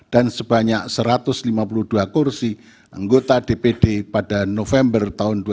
dan sebanyak satu ratus lima puluh dua kursi anggota dpd pada november dua ribu dua puluh empat